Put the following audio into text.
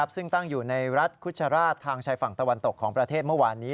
ซึ่งตั้งอยู่ในรัฐคุชราชทางชายฝั่งตะวันตกของประเทศเมื่อวานนี้